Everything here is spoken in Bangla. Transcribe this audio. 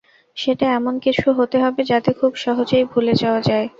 সেটা এমন কিছু হতে হবে, যাতে খুব সহজেই ভুলে যাওয়া যায়।